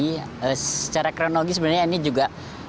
jadi secara kronologi sebenarnya ini juga